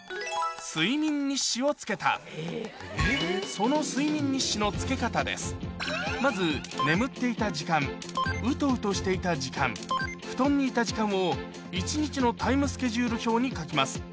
その睡眠日誌のつけ方ですまず眠っていた時間うとうとしていた時間布団にいた時間を一日のタイムスケジュール表に書きます